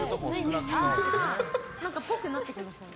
っぽくなってきましたね。